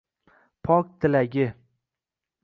Pok tilagi